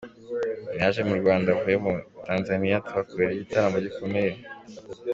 Yaje mu Rwanda avuye muri Tanzania kuhakorera igitaramo gikomeye.